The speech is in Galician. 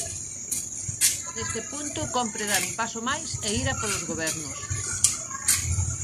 Neste punto cómpre dar un paso máis, e ir a polos gobernos.